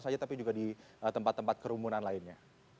saja tapi juga di tempat tempat kerumunan lainnya